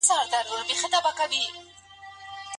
په شتمنۍ کي د تصرف کولو طریقه څه ده؟